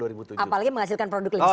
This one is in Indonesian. apalagi menghasilkan produk legislasi